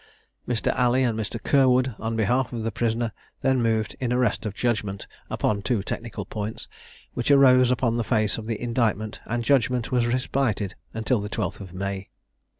Mr. Alley and Mr. Curwood on behalf of the prisoner then moved in arrest of judgment, upon two technical points which arose upon the face of the indictment, and judgment was respited until the 12th of May.